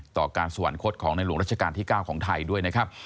ต่อการสวรรคตของในหลวงรัชกาลที่๙ของไทยด้วยนะครับ